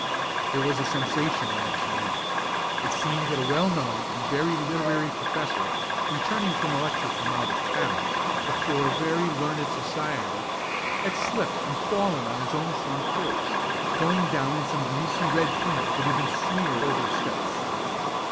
There was a sensation the next morning. It seemed that a well known and very literary professor, returning from a lecture from out of town, before a very learned society, had slipped and fallen on his own front porch, going down in some greasy red paint that had been smeared over the steps.